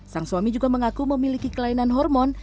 sang suami juga mengaku memiliki kelainan hormon